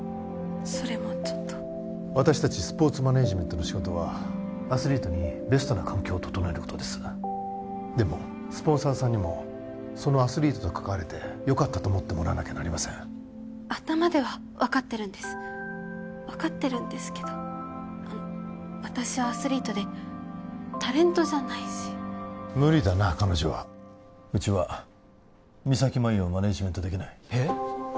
それもちょっと私達スポーツマネージメントの仕事はアスリートにベストな環境を整えることですでもスポンサーさんにもそのアスリートと関われてよかったと思ってもらわなきゃなりません頭では分かってるんです分かってるんですけど私はアスリートでタレントじゃないし無理だな彼女はうちは三咲麻有をマネージメントできないえっ！？